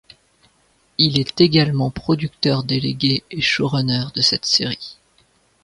Il est également producteur délégué et showrunner de cette série.